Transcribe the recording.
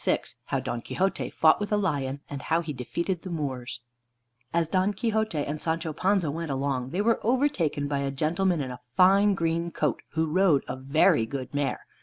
VI HOW DON QUIXOTE FOUGHT WITH A LION; AND HOW HE DEFEATED THE MOORS As Don Quixote and Sancho Panza went along, they were overtaken by a gentleman in a fine green coat, who rode a very good mare.